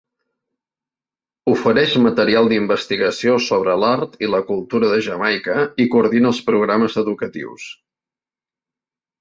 Ofereix material d'investigació sobre l'art i la cultura de Jamaica, i coordina els programes educatius.